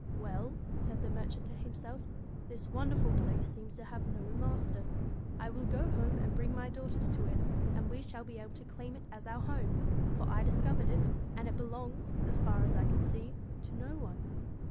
'Well,' said the merchant to himself, 'this wonderful place seems to have no master. I will go home and bring my daughters to it, and we shall be able to claim it as our home ; for I discovered it, and it belongs, as far as I can see, to no one.'